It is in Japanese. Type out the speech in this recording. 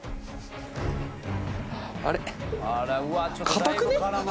あれ？